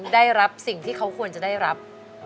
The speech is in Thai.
ได้รับสิ่งที่เขาควรจะได้รับ